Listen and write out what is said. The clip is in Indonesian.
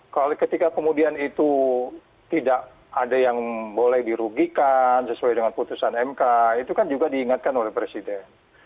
kalau ketika kemudian itu tidak ada yang boleh dirugikan sesuai dengan putusan mk itu kan juga diingatkan oleh presiden